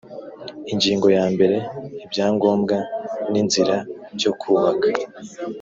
ingingo ya mbere ibyangombwa n inzira byo kubaka